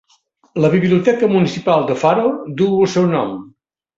La Biblioteca Municipal de Faro duu el seu nom.